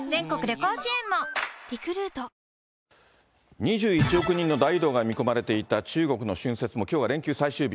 ２１億人の大移動が見込まれていた中国の春節も、きょうは連休最終日。